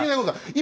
今。